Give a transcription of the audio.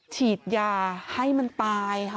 ฉีดยาให้มันตายค่ะ